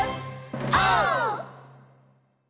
オー！